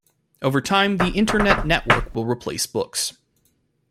Over time the Internet network will replace books.